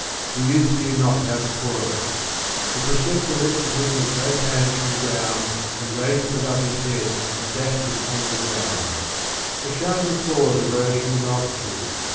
The youth knew not how to foil it* The preceptor lifted him with both hands from the ground^ and raised him above his head, and dashed him on the ground, A shout of applause arose from the multitude.